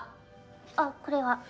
あっこれは。